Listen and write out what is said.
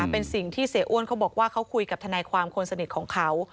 เป็นสิ่งที่เสียอ้วนเขาบอกว่าเขาคุยกับทนายความคนสนิทของเขา